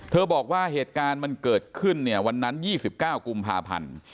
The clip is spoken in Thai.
บอกว่าเหตุการณ์มันเกิดขึ้นเนี่ยวันนั้น๒๙กุมภาพันธ์